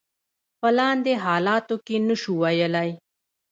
په لاندې حالاتو کې نشو ویلای.